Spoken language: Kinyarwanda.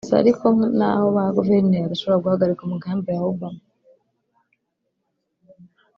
Bisa ariko n’aho ba Guverineri badashobora guhagarika umugambi wa Obama